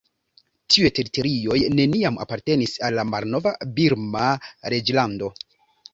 Tiuj teritorioj neniam apartenis al la malnova birma reĝlando.